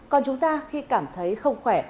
còn chúng ta khi cảm thấy không khỏe